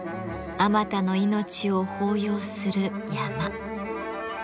あまたの命を抱擁する山。